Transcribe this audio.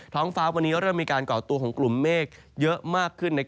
ท้องฟ้าวันนี้เริ่มมีการก่อตัวของกลุ่มเมฆเยอะมากขึ้น